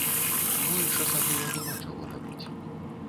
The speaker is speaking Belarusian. Больш асабліва няма чаго рабіць.